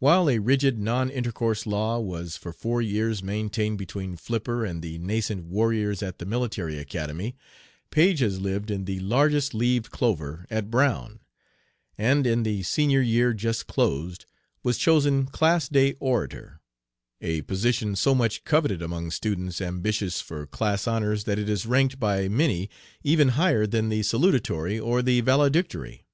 While a rigid non intercourse law was for four years maintained between Flipper and the nascent warriors at the Military Academy, Page has lived in the largest leaved clover at Brown, and in the Senior year just closed was chosen Class day Orator a position so much coveted among students ambitious for class honors that it is ranked by many even higher than the Salutatory or the Valedictory.